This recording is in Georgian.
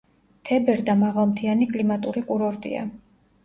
თებერდა მაღალმთიანი კლიმატური კურორტია.